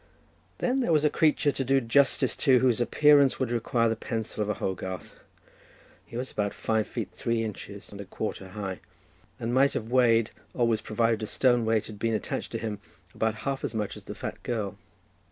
Then there was a creature to do justice to whose appearance would require the pencil of a Hogarth. He was about five feet three inches and a quarter high, and might have weighed, always provided a stone weight had been attached to him, about half as much as the fat girl.